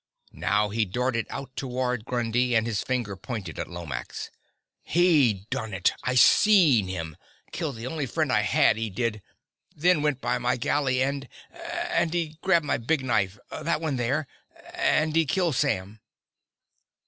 Now he darted out toward Grundy, and his finger pointed to Lomax. "He done it! I seen him. Killed the only friend I had, he did. They went by my galley and and he grabbed my big knife, that one there. And he killed Sam."